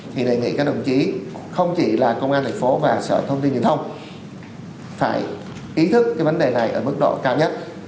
thì đề nghị các đồng chí không chỉ là công an thành phố và sở thông tin truyền thông phải ý thức cái vấn đề này ở mức độ cao nhất